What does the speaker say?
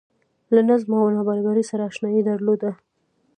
له نظم او نابرابرۍ سره اشنايي درلوده